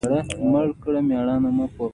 خو د یوه ساده خاوند درلودل ډېر ښه وي.